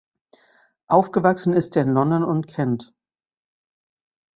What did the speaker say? Aufgewachsen ist er in London und Kent.